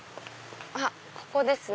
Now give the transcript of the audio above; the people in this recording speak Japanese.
あっここですね